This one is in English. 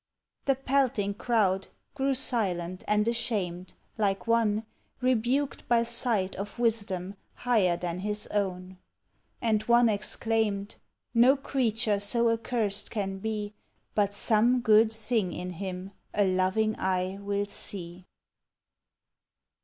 The pelting crowd grew silent and ashamed, like one Rebuked by sight of wisdom higher than his own; And one exclaimed: "No creature so accursed can be But some good thing in him a loving eye will see."